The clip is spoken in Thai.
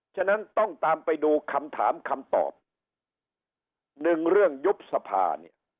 ฉะนั้นต้องตามไปดูคำถามคำตอบหนึ่งเรื่องยุบสภาเนี่ย